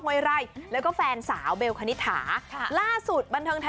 ห้วยไร่แล้วก็แฟนสาวเบลคณิตถาค่ะล่าสุดบันเทิงไทย